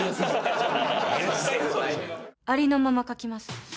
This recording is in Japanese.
「ありのまま書きます」